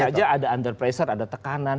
saja ada under pressure ada tekanan